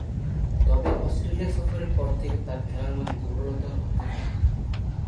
তবে, অস্ট্রেলিয়া সফরের পর থেকে তার খেলার মান দূর্বলতর হতে থাকে।